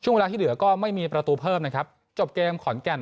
เวลาที่เหลือก็ไม่มีประตูเพิ่มนะครับจบเกมขอนแก่น